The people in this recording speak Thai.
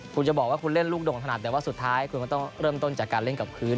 คุณจะบอกว่าคุณเล่นลูกโด่งถนัดแต่ว่าสุดท้ายคุณก็ต้องเริ่มต้นจากการเล่นกับพื้น